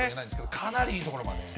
かなりいいところまで。